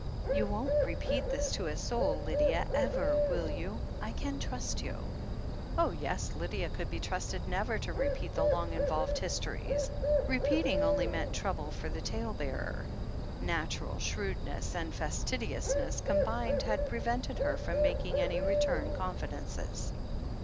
"You won't repeat this to a soul, Lydia, ever, will you? I can trust you? ..." Oh, yes, Lydia could be trusted never to repeat the long, involved histories. Repeating only meant trouble for the tale bearer. Natural shrewdness and fastidi ousness combined had prevented her from making any return confidences.